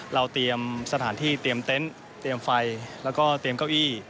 เราเตรียมสถานที่เตรียมเต็นต์เตรียมไฟแล้วก็เตรียมเก้าอี้